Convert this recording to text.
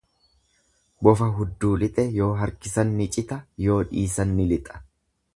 Bofa hudduu lixe yoo harkisan ni cita, yoo dhiisan ni lixa.